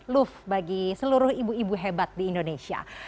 loof bagi seluruh ibu ibu hebat di indonesia